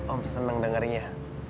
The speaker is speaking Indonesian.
om seneng dengarnya